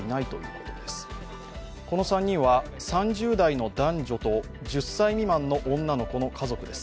この３人は３０代の男女と１０歳未満の女の子の家族です。